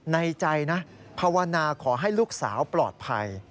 ในใจนะภาวนาขอให้ลูกสาวปลอดภัย